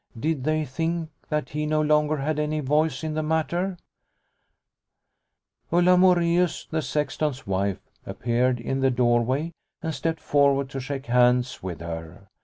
Did they think that he no longer had any voice in the matter ? Ulla Moreus, the sexton's wife, appeared in the doorway and stepped forward to shake hands with her.